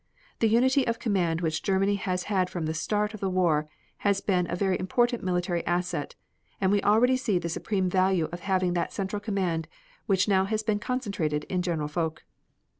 The unity of command which Germany has had from the start of the war has been a very important military asset, and we already see the supreme value of having that central command which now has been concentrated in General Foch."